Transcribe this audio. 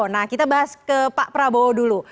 nah kita bahas ke pak prabowo dulu